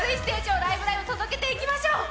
ライブ！」届けていきましょう。